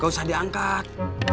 gak usah diangkat